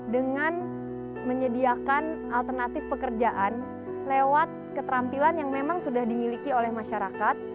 dengan menyediakan alternatif pekerjaan lewat keterampilan yang memang sudah dimiliki oleh masyarakat